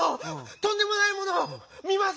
とんでもないものをみます！